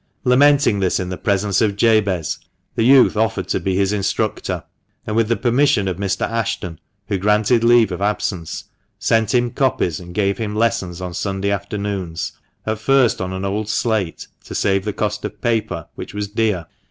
Lamenting this in the presence of Jabez, the youth offered to be his instructor ; and with the permission of Mr. Ashton, who granted leave of absence, set him copies and gave him lessons on Sunday afternoons, at first on an old slate, to save the cost of paper, which was dear.